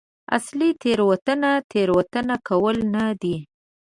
اصلي تېروتنه تېروتنه کول نه دي.